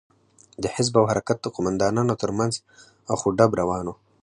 د حزب او حرکت د قومندانانو تر منځ اخ و ډب روان و.